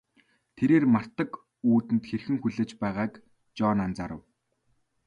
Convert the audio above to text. Тэрээр Мартаг үүдэнд хэрхэн хүлээж байгааг Жон анзаарав.